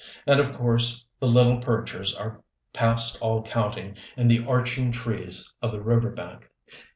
And of course the little perchers are past all counting in the arching trees of the river bank.